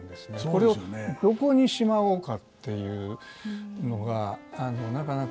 これをどこにしまおうかっていうのがなかなか難しいというか。